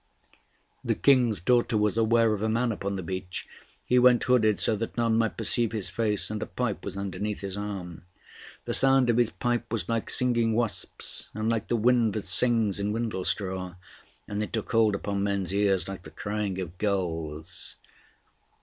The King's daughter was aware of a man upon the beach; he went hooded so that none might perceive his face, and a pipe was underneath his arm. The sound of his pipe was like singing wasps, and like the wind that sings in windlestraw; and it took hold upon men's ears like the crying of gulls.